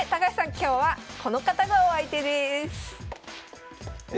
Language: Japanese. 今日はこの方がお相手です！え！